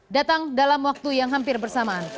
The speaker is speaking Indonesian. datang dalam waktu yang hampir bersamaan